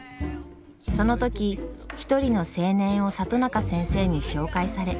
その時一人の青年を里中先生に紹介され。